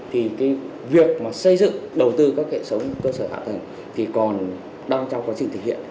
thì cái việc mà xây dựng đầu tư các hệ thống cơ sở hạ tầng thì còn đang trong quá trình thực hiện